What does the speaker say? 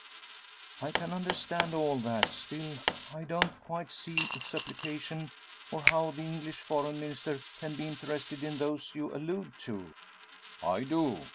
"I can understand all that; still I don't quite see its application, or how the English Foreign Minister can be interested in those you allude to?" "I do.